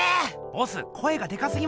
ボス声がデカすぎます。